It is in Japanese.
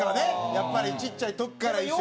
やっぱりちっちゃい時から一緒に。